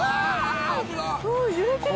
揺れてる。